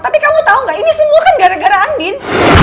tapi kamu tahu nggak ini semua kan gara gara andin